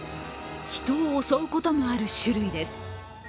人を襲うこともある種類です。